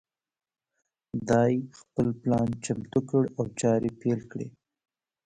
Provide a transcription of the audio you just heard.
دای خپل پلان چمتو کړ او چارې پیل کړې.